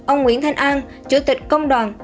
ông nguyễn thanh an chủ tịch công đoàn